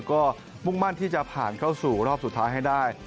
ก็มุ่งมั่นที่จะผ่านเข้าสู่รอบสุดท้ายให้ได้